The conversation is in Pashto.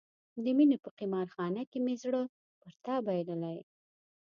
د مینې په قمار خانه کې مې زړه پر تا بایللی.